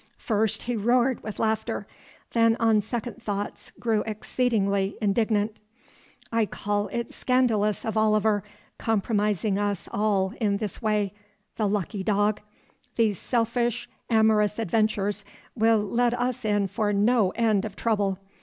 First he roared with laughter, then on second thoughts grew exceedingly indignant. "I call it scandalous of Oliver, compromising us all in this way—the lucky dog! These selfish, amorous adventures will let us in for no end of trouble.